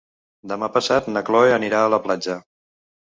Demà passat na Chloé anirà a la platja.